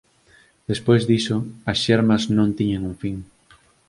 Despois diso, as xemas non tiñan un fin